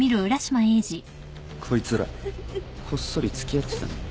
こいつらこっそり付き合ってたんだよ。